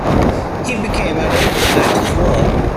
He became adept at his work.